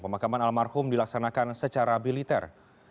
pemakaman almarhum dilaksanakan secara militer